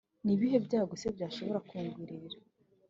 nibihe byago se byashobora kungwirira?»